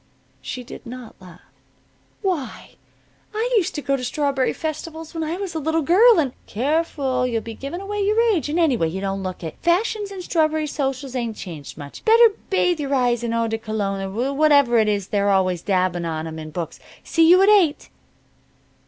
She did not laugh. "Why, I used to go to strawberry festivals when I was a little girl in " "Careful! You'll be giving away your age, and, anyway, you don't look it. Fashions in strawberry socials ain't changed much. Better bathe your eyes in eau de cologne or whatever it is they're always dabbing on 'em in books. See you at eight."